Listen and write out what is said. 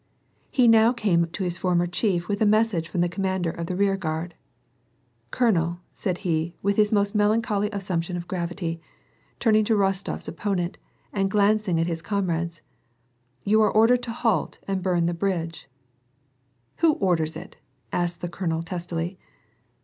He now came up to his former chief with a message from the commander of the rearguard. " Colonel," said he, with his most melancholy assumption of gravity, turning to liostofs opponent, and glancing at his com rades, "you are ordered to halt and burn the bridge." " Who orders it ?" asked the colonel testily.